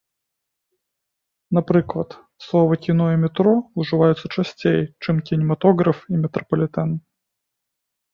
Напрыклад словы кіно і метро ўжываюцца часцей, чым кінематограф і метрапалітэн.